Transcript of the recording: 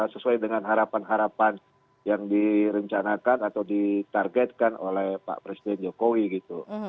sesuai dengan harapan harapan yang direncanakan atau ditargetkan oleh pak presiden jokowi gitu